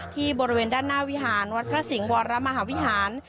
บริเวณด้านหน้าวิหารวัดพระสิงห์วรมหาวิหาร